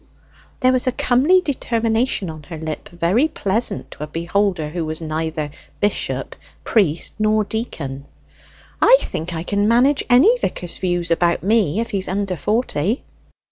There was a comely determination on her lip, very pleasant to a beholder who was neither bishop, priest, nor deacon. "I think I can manage any vicar's views about me if he's under forty."